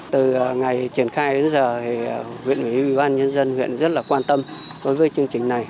từ ngày triển khai đến giờ thì huyện ủy ủy ban nhân dân huyện rất là quan tâm đối với chương trình này